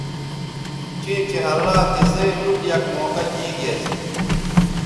چیں چہء اللہ تسئ نوٹ یک موقعہ دی گی اسی